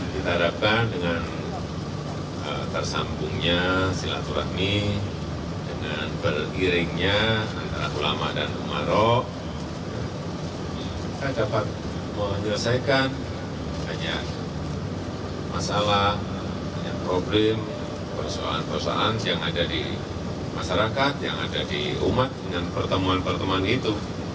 kita harapkan dengan tersambungnya silaturahmi dengan beriringnya antara ulama dan umarok kita dapat menyelesaikan banyak masalah banyak problem persoalan persoalan yang ada di masyarakat yang ada di umat dengan pertemuan pertemuan itu